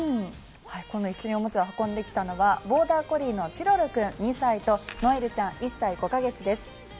この一緒におもちゃを運んできたのはボーダーコリーのチロル君、２歳とノエルちゃん、１歳５か月です。